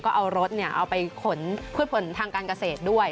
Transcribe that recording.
ก็เอารถเอาไปขนพืชผลทางการเกษตรด้วย